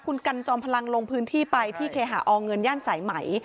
คุณกันจอมพลังลงพื้นที่ไปที่เคหาอเงินย่านสายไหม